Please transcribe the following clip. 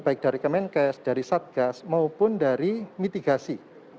baik dari kemenkes dari satgas maupun dari mitigasi